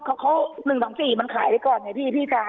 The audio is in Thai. เขาเขาหนึ่งสองสี่มันขายไปก่อนไงพี่พี่ชายอ่ะอ๋อ